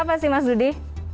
apa sih mas dudi